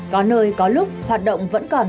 có nơi có lúc hoạt động vẫn còn